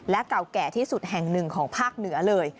เก่าแก่ที่สุดแห่งหนึ่งของภาคเหนือเลย